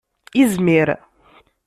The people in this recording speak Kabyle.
Izmir.